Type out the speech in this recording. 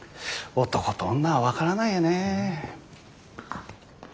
男と女は分からないよねえ。